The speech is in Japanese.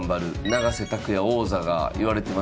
永瀬拓矢王座がいわれてます。